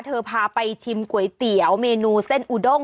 พาไปชิมก๋วยเตี๋ยวเมนูเส้นอูด้ง